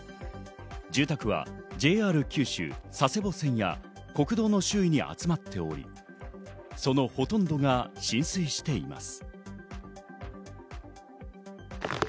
住宅はＪＲ九州・佐世保線や国道の周囲に集まっており、そのほとんどが浸水しています。